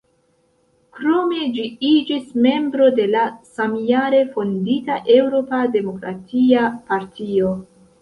Krome ĝi iĝis membro de la samjare fondita Eŭropa Demokratia Partio.